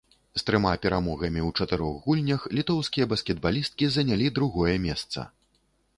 З трыма перамогамі ў чатырох гульнях літоўскія баскетбалісткі занялі другое месца.